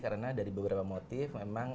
karena dari beberapa motif memang